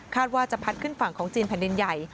ว่าจะพัดขึ้นฝั่งของจีนแผ่นดินใหญ่